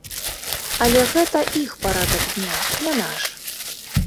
Але гэта іх парадак дня, не наш.